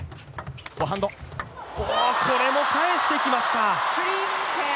これも返してきました。